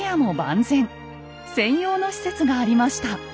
専用の施設がありました。